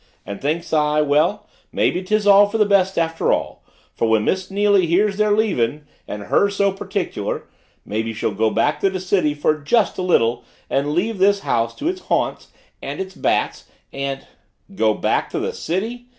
And thinks I, well, maybe 'tis all for the best after all for when Miss Neily hears they're leavin' and her so particular maybe she'll go back to the city for just a little and leave this house to its haunts and its bats and " "Go back to the city?